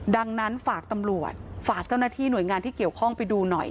ดังนั้นฝากตำรวจฝากเจ้าหน้าที่หน่วยงานที่เกี่ยวข้องไปดูหน่อย